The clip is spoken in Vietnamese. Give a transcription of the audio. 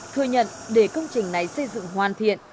thừa nhận để công trình này xây dựng hoàn thiện